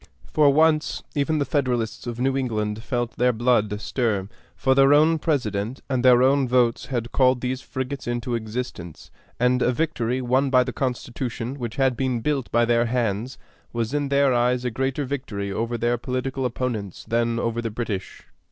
For once, even the Federalists of New England felt their blood stir; for their own President and their own votes had called these frigates into existence, and a victory won by the Constitution, which had been built by their hands, was in their eyes a greater victory over their political opponents than over the British.